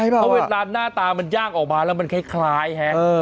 เพราะเวลาหน้าตามันย่างออกมาแล้วมันคล้ายฮะ